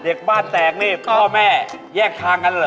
เด็กบ้านแตกนี่พ่อแม่แยกทางกันเหรอ